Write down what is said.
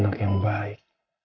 anak yang baik